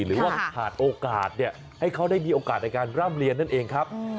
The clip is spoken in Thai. หรือว่าขาดโอกาสให้เขาได้มีโอกาสในการร่ำเรียนนั่นเองครับ